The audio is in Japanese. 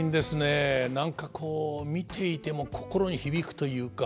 何かこう見ていても心に響くというか。